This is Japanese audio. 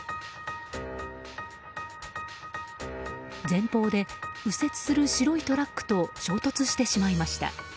前方で、右折する白いトラックと衝突してしまいました。